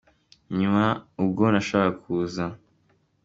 Nyuma ubwo nashakaga kuza